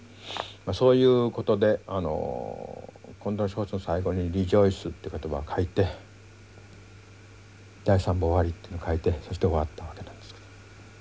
そういうことで今度の小説の最後に「リジョイス」って言葉を書いて「第３部・完」ってのを書いてそして終わったわけなんですけど。